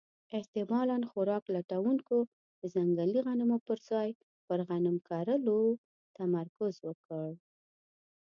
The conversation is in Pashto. احتمالاً خوراک لټونکو د ځنګلي غنمو پر ځای پر غنمو کرلو تمرکز وکړ.